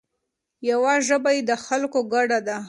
یوه ژبه یې د خلکو ګډه ده.